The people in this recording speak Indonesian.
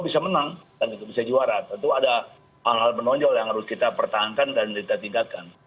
bisa menang dan bisa juara tentu ada hal hal menonjol yang harus kita pertahankan dan kita tingkatkan